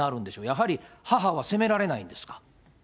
やはり母は責められないんですか？